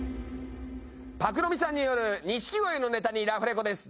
朴美さんによる錦鯉のネタにラフレコです。